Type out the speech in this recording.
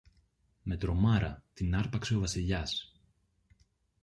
Με τρομάρα την άρπαξε ο Βασιλιάς.